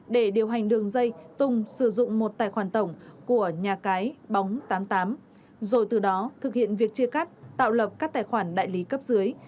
để điều hành đường dây tùng sử dụng một tài khoản tổng của nhà cái bóng tám mươi tám rồi từ đó thực hiện việc chia cắt tạo lập các tài khoản đại lý cấp dưới